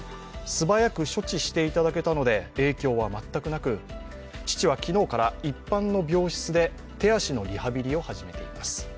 素早く処置していただけたので影響は全くなく、父は昨日から一般の病室で手足のリハビリを始めています。